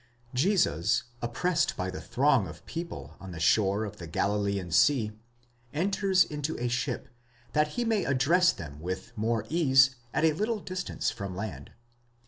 Jesus, oppressed by the throng of people on the shore of the Galilean 568, enters into a ship, that he may address them with more ease at a little distance from land.